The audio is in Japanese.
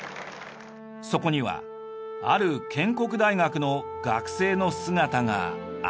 そこにはある建国大学の学生の姿がありました。